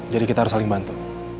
kita harus saling bantu